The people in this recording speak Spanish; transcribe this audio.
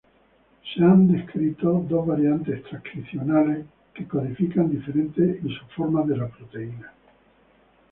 Se han descrito dos variantes transcripcionales que codifican diferentes isoformas de la proteína.